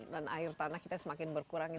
dan air tanah kita semakin berkurang